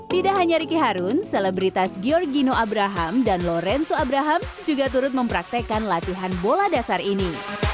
tidak hanya ricky harun selebritas giorgino abraham dan lorenso abraham juga turut mempraktekan latihan bola dasar ini